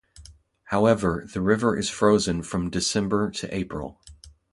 However, the river is frozen from December to April.